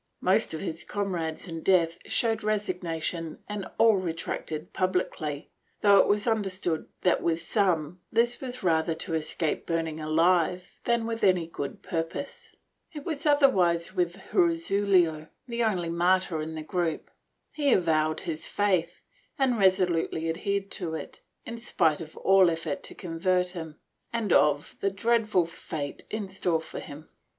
Most of his comrades in death showed resignation and all retracted publicly, though it was understood that with some this was rather to escape burning aUve than with any good purpose.^ It was otherwise with Herrezuelo, the only martyr in the group. He avowed his faith and resolutely adhered to it, in spite of all effort to convert him and of the dreadful fate in store for him.